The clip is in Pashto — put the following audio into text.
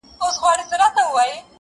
ه یاره ولي چوپ یې مخکي داسي نه وې.